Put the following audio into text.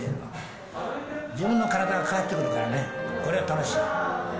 自分の体が変わってくるからね、これは楽しい。